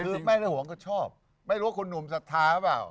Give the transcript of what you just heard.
คือไม่ได้ห่วงก็ชอบไม่รู้ว่าคุณหนุ่มศรัทธาหรือเปล่า